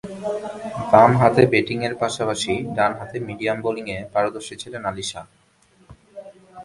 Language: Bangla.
বামহাতে ব্যাটিংয়ের পাশাপাশি ডানহাতে মিডিয়াম বোলিংয়ে পারদর্শী ছিলেন আলী শাহ।